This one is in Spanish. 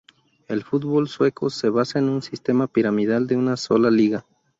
El fútbol sueco se basa en un sistema piramidal de una sola liga.